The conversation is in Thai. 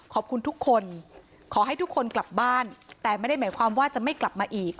ขอบคุณทุกคนขอให้ทุกคนกลับบ้านแต่ไม่ได้หมายความว่าจะไม่กลับมาอีก